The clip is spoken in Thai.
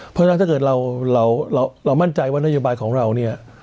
เพราะฉะนั้นถ้าเกิดเรามั่นใจว่านโยบายของเราเนี่ย